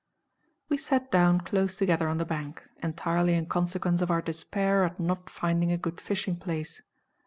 We sat down close together on the bank, entirely in consequence of our despair at not finding a good fishing place.